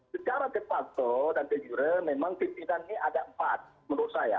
secara de facto dan de jure memang pimpinannya ada empat menurut saya